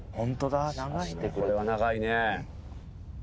これは長いね。